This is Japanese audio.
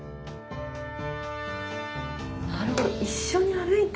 なるほど。